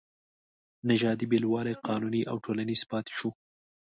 نژادي بېلوالی قانوني او ټولنیز پاتې شو.